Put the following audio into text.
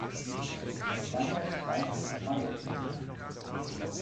Das Langhaus zeigt Weihekreuze.